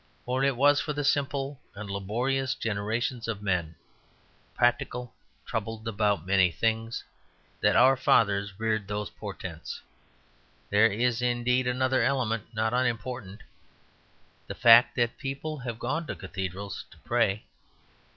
For it was for the simple and laborious generations of men, practical, troubled about many things, that our fathers reared those portents. There is, indeed, another element, not unimportant: the fact that people have gone to cathedrals to pray.